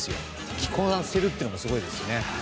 着こなせるっていうのもすごいですしね。